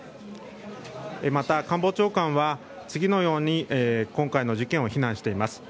また、官房長官は次のように今回の事件を非難しています。